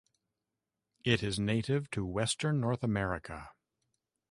It is native to western North America.